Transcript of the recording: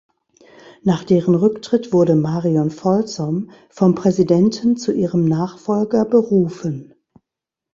Nach deren Rücktritt wurde Marion Folsom vom Präsidenten zu ihrem Nachfolger berufen.